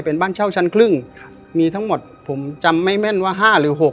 เป็นบ้านเช่าชั้นครึ่งมีทั้งหมดผมจำไม่แม่นว่า๕หรือ๖